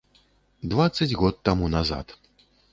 Дваццаць год таму назад!